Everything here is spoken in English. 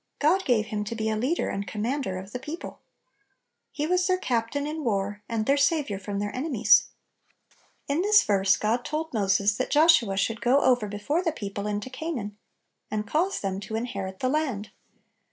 God gave him to be "a leader and commander of the people. 1 * He was their captain in war, and their saviour from their enemies. In this verse God told Moses that Joshua should go over before the peo ple into Canaan, and "cause them to inherit the land."